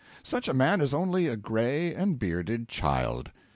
Such a man is only a gray and bearded child.